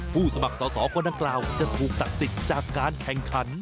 สมัครสอสอคนดังกล่าวจะถูกตัดสิทธิ์จากการแข่งขัน